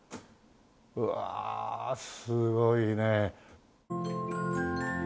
うわあすごいね。